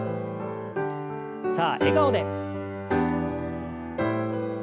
さあ笑顔で。